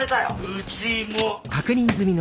うちも。